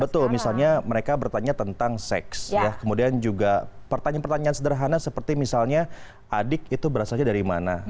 betul misalnya mereka bertanya tentang seks kemudian juga pertanyaan pertanyaan sederhana seperti misalnya adik itu berasalnya dari mana